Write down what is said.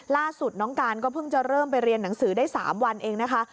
ล่าสุดน้องการก็เพิ่งจะเริ่มไปเรียนหนังสือได้๓วันเองนะคะ